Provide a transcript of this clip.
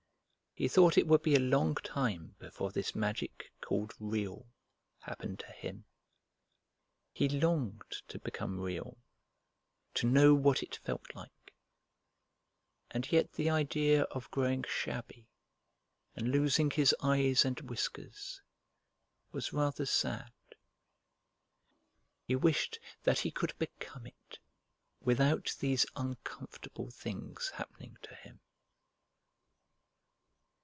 He thought it would be a long time before this magic called Real happened to him. He longed to become Real, to know what it felt like; and yet the idea of growing shabby and losing his eyes and whiskers was rather sad. He wished that he could become it without these uncomfortable things happening to him.